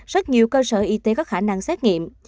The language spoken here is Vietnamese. rất nhiều cơ sở y tế có khả năng xét nghiệm